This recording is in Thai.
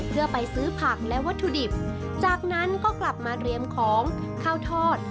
เพื่อไปซื้อผักและวัตถุดิบจากนั้นก็กลับมาเรียมของข้าวทอด